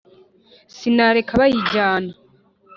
Sinareka bayijyana.